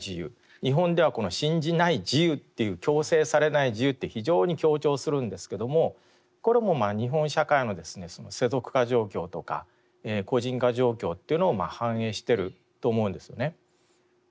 日本ではこの信じない自由っていう強制されない自由って非常に強調するんですけどもこれも日本社会の世俗化状況とか個人化状況というのを反映してると思うんですよね。